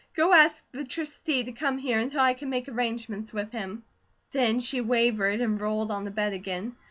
Go ask the Trustee to come here until I can make arrangements with him." Then she wavered and rolled on the bed again.